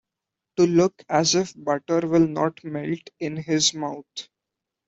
To look as if butter will not melt in his mouth.